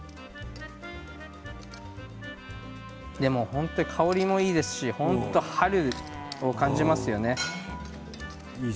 でも本当に香りもいいですし春を感じますよね。